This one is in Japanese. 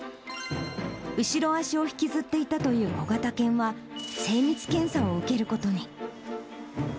後ろ足を引きずっていたという小型犬は、精密検査を受けることに。